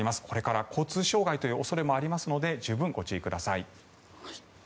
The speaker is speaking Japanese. これから交通障害の恐れもありますので十分ご注意ください。